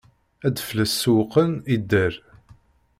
Ad fell-as sewwqen, idder.